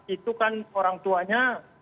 itu kan orang tuanya